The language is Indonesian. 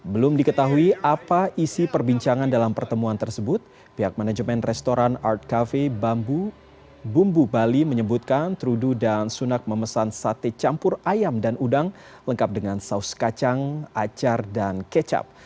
belum diketahui apa isi perbincangan dalam pertemuan tersebut pihak manajemen restoran art cafe bambu bali menyebutkan trudu dan sunak memesan sate campur ayam dan udang lengkap dengan saus kacang acar dan kecap